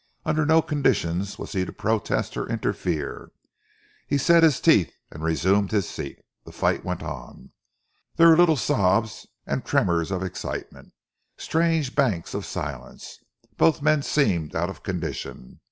Under no conditions was he to protest or interfere. He set his teeth and resumed his seat. The fight went on. There were little sobs and tremors of excitement, strange banks of silence. Both men seemed out of condition.